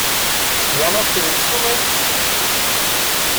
One of the instruments?